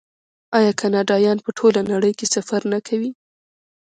آیا کاناډایان په ټوله نړۍ کې سفر نه کوي؟